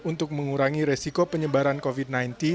untuk mengurangi resiko penyebaran covid sembilan belas